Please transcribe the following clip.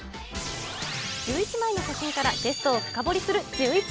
１１枚の写真からゲストを深掘りするジューイチ。